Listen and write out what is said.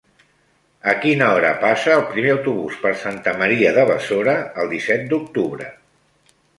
A quina hora passa el primer autobús per Santa Maria de Besora el disset d'octubre?